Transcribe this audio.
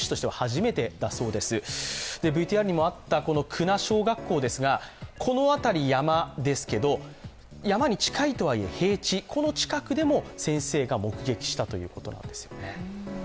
久那小学校ですが、この辺り、山ですけど山に近いとはいえ平地、この近くでも先生が目撃したということなんですよね。